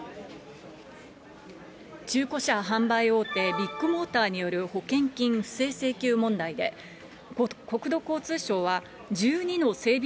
中古車販売大手、ビッグモーターによる保険金不正請求問題で、国土交通省は１２の整備